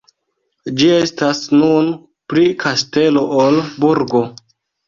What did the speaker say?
Ĝi estas nun pli kastelo ol burgo.